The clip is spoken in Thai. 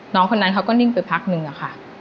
น้องคนนั้นเขาก็นิ่งไปพักนึงอะค่ะ